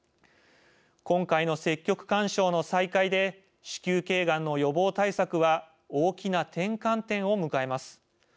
今回の積極勧奨の再開で子宮けいがんの予防対策は大きな転換点を迎えます。